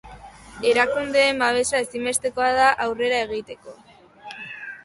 Erakundeen babesa ezinbestekoa da aurrera egiteko.